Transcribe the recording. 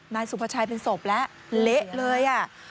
นายสุภาชัยเป็นศพแล้วเละเลย